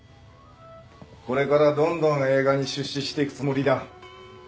これからどんどん映画に出資していくつもりだ。